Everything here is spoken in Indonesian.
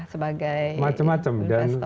sebagai investor atau